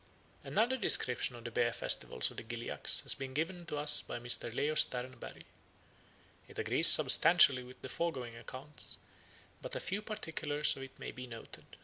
Another description of the bear festivals of the Gilyaks has been given us by Mr. Leo Sternberg. It agrees substantially with the foregoing accounts, but a few particulars in it may be noted.